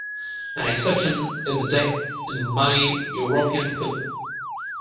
An exception is a deep in-the-money European put.